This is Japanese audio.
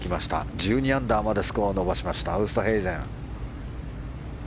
１２アンダーまでスコアを伸ばしたウーストヘイゼン。